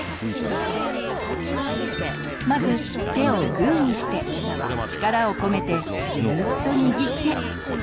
まず手をグーにして力をこめてギューッと握って。